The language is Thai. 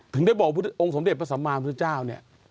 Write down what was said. ถึงได้บอกว่าองค์สมเด็จประสำมารถพระพุทธเจ้าเนี่ย